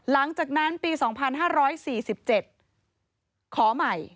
หลังจากนั้นปี๒๕๔๗ขอใหม่